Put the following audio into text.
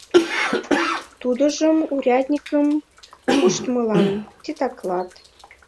Тудыжым урядникым пуштмылан титаклат.